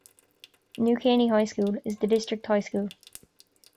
New Caney High School is the district high school.